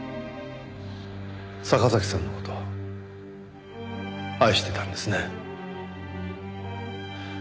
坂崎さんの事を愛してたんですね。